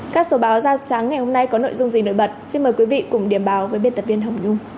các số báo ra sáng ngày hôm nay có nội dung gì nổi bật xin mời quý vị cùng điểm báo với biên tập viên hồng nhung